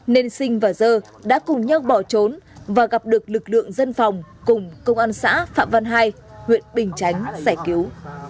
nên sinh và dơ đã cùng nhau bỏ trốn và gặp được lực lượng dân phòng cùng công an xã phạm văn hai huyện bình chánh giải cứu